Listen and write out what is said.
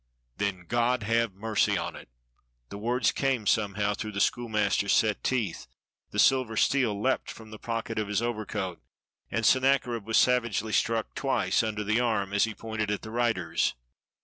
"Then God have mercy on it!" The words came somehow through the schoolmaster's set teeth; the silver steel leapt from the pocket of his overcoat, and Sennacherib was savagely struck twice under the arm as he pointed at the riders.